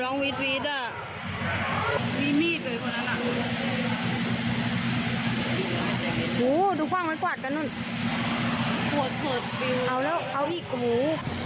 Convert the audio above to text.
อ๋อนะเขาอีกกว่าหมู